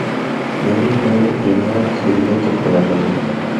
Neri, Nero y Neera: Sirvientas de la reina.